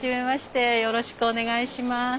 よろしくお願いします。